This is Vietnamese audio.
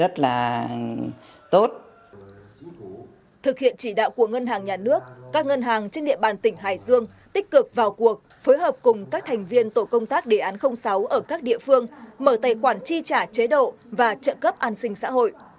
thực hiện chỉ đạo của ngân hàng nhà nước các ngân hàng trên địa bàn tỉnh hải dương tích cực vào cuộc phối hợp cùng các thành viên tổ công tác đề án sáu ở các địa phương mở tài khoản chi trả chế độ và trợ cấp an sinh xã hội